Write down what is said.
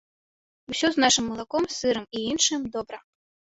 Усё з нашым малаком, сырам і іншым добра.